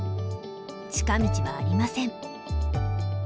近道はありません。